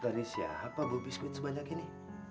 donis ya apa bubis kuit sebanyak ini